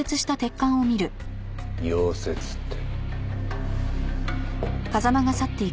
溶接って。